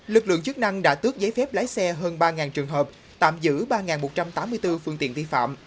lực lượng chức năng đã tước giấy phép lái xe hơn ba trường hợp tạm giữ ba một trăm tám mươi bốn phương tiện vi phạm